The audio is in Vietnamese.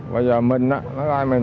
bây giờ mình